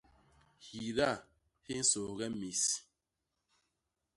Hyida hi nsôghe mis.